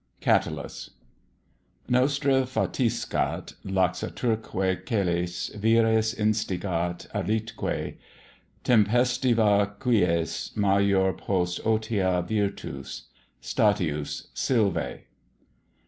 CATULLUS .... Nostra fatiscat Laxaturque chelys, vires instigat alitque Tempestiva quies, major post otia virtus. STATIUS, Sylvae.